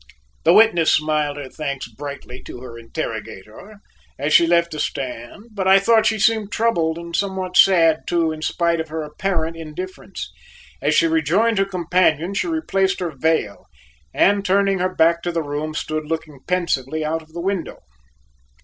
The witness smiled her thanks brightly to her interrogator as she left the stand, but I thought she seemed troubled and somewhat sad too in spite of her apparent indifference. As she rejoined her companion she replaced her veil and, turning her back to the room, stood looking pensively out of the window.